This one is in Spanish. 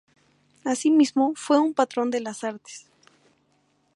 Asimismo, fue un patrón de las artes.